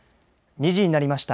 ２時になりました。